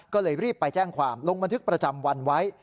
ก็เลยรีบไปแจ้งความลงบันทึกประจำวันไว้